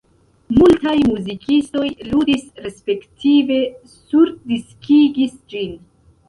Multaj muzikistoj ludis respektive surdiskigis ĝin.